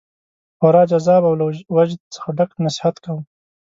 خورا جذاب او له وجد څخه ډک نصیحت کاوه.